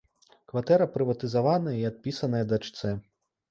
Кватэра прыватызаваная і адпісаная дачцэ.